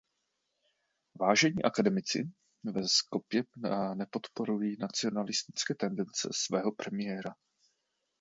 Vážení akademici ve Skopje nepodporují nacionalistické tendence svého premiéra.